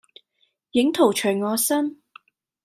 影徒隨我身。